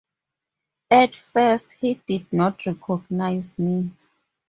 At first he did not recognise me.